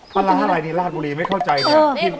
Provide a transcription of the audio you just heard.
ปลาร้าอะไรนี่ราชบุรีไม่เข้าใจเนี่ย